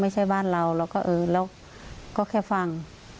ไม่ใช่บ้านเราเราก็เออแล้วก็แค่ฟัง